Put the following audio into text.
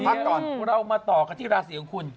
พักก่อนเรามาต่อกันที่ราศีของคุณ